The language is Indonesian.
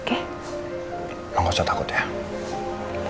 emang gak usah takut ya